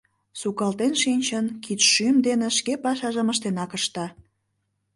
Сукалтен шинчын, кидшӱм дене шке пашажым ыштенак ышта.